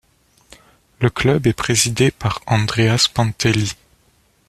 Le club est présidé par Andreas Panteli.